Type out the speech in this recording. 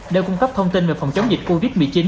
để cung cấp thông tin về phòng chống dịch covid một mươi chín